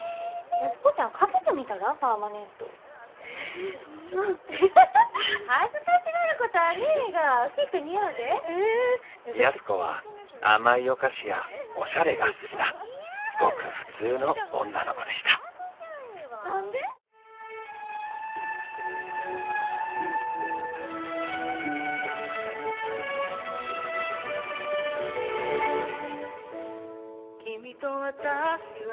安子は甘いお菓子やおしゃれが好きなごく普通の女の子でした「君と私は仲良くなれるかな」